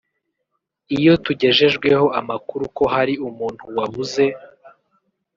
Iyo tugejejweho amakuru ko hari umuntu wabuze